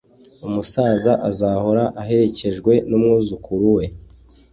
umusaza ahora aherekejwe numwuzukuru we